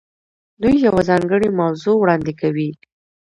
دوی یوه ځانګړې موضوع وړاندې کوي.